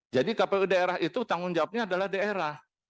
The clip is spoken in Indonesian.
jadi kpu daerah itu tanggung jawabnya adalah daerah